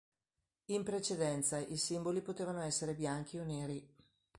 In precedenza i simboli potevano essere bianchi o neri.